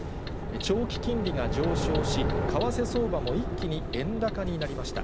長期金利が上昇し、為替相場も一気に円高になりました。